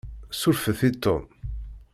Surfet i Tom.